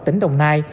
tỉnh đồng tây